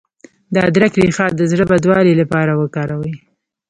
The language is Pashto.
د ادرک ریښه د زړه بدوالي لپاره وکاروئ